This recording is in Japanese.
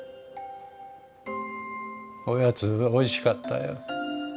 おやつおいしかったよ。